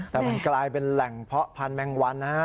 แต่มันกลายเป็นแหล่งเพาะพันธแมงวันนะฮะ